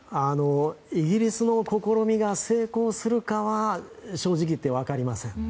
イギリスの試みが成功するかは正直に言って分かりません。